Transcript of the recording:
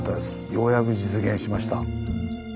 ようやく実現しました。